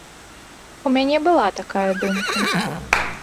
У мяне была такая думка.